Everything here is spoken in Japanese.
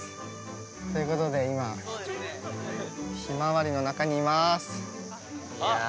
ということで、今、ひまわりの中にいます。